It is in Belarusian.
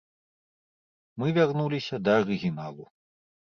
Мы вярнуліся да арыгіналу.